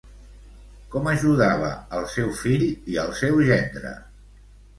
Com ajudava al seu fill i al seu gendre?